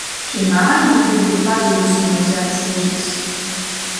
Šī mājiņa tagad ir pazudusi no zemes virsas.